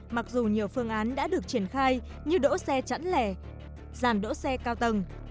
mặc dù nhiều phương án đã được triển khai như đỗ xe chẵn lẻ dàn đỗ xe cao tầng